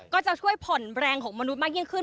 ก็จะช่วยผ่อนแรงของมนุษย์มากยิ่งขึ้น